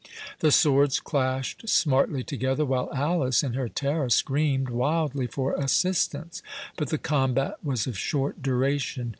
The swords clashed smartly together, while Alice, in her terror, screamed wildly for assistance. But the combat was of short duration.